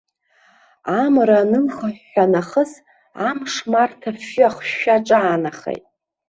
Амра анылхыҳәҳәа нахыс, амш март афҩы ахшәшәа аҿаанахеит.